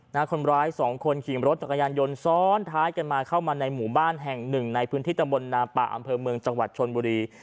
คนร้ายสองคนขี่รถจักรยานยนต์ซ้อนท้ายกันมาเข้ามาในหมู่บ้านแห่งหนึ่งในพื้นที่ตำบลนาป่าอำเภอเมืองจังหวัดชนบุรี